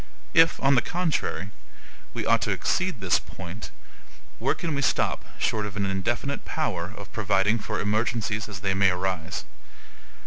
If, on the contrary, we ought to exceed this point, where can we stop, short of an indefinite power of providing for emergencies as they may arise?